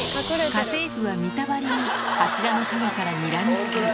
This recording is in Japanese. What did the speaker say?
家政婦は見たばりに柱の陰からにらみつける。